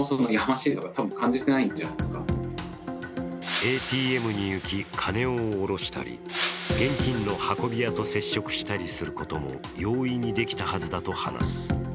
ＡＴＭに行き金を下ろしたり現金の運び屋と接触したりすることも容易にできたはずだと話す。